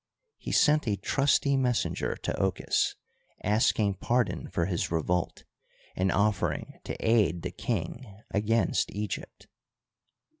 He sent a trusty messenger to Ochus, asking pardon for his revolt, and offering to aid the king against Egypt.